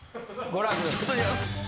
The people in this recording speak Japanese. ご覧ください。